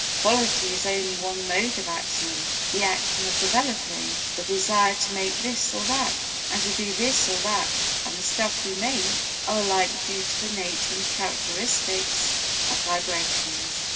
Quality is only one mode of action; the action of developing, the desire to make this or that, and do this or that, and the stuff we make are alike due to the nature and characteristics of vibrations.